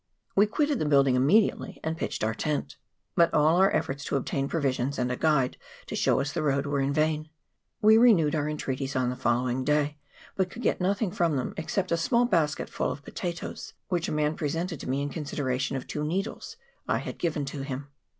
We quitted the building immediately, and pitched our tent; but all our efforts to obtain provisions, and a guide to show us the road, were in vain. We renewed our en treaties on the following day, but could get nothing from them except a small basketful of potatoes, which a man presented to me in consideration of two needles I had given to him.